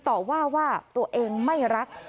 ต่อว่าว่าตัวเองไม่รัก